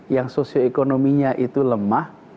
yang sosioekonominya itu lemah